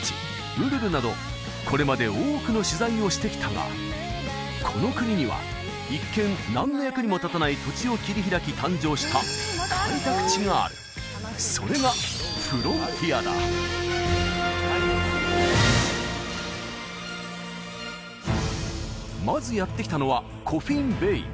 ウルルなどこれまで多くの取材をしてきたがこの国には一見何の役にも立たない土地を切り開き誕生した開拓地があるそれがまずやって来たのはコフィンベイ